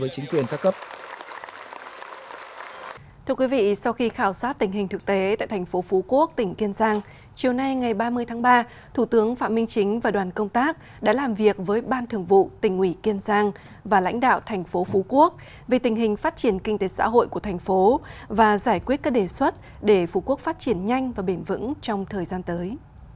sau khi khảo sát tình hình thực tế tại thành phố phú quốc tỉnh kiên giang chiều nay ngày ba mươi tháng ba thủ tướng phạm minh chính và đoàn công tác đã làm việc với ban thường vụ tỉnh ủy kiên giang và lãnh đạo thành phố phú quốc về tình hình phát triển kinh tế xã hội của thành phố và giải quyết các đề xuất để phú quốc phát triển nhanh và bền vững trong thời gian tới